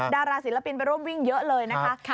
ดาราศิลปินไปร่วมวิ่งเยอะเลยนะคะ